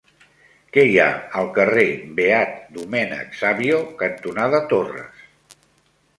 Què hi ha al carrer Beat Domènec Savio cantonada Torres?